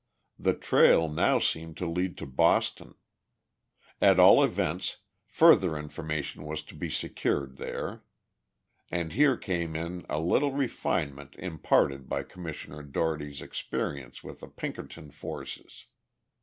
The trail now seemed to lead to Boston. At all events, further information was to be secured there. And here came in a little refinement imparted by Commissioner Dougherty's experience with the Pinkerton forces.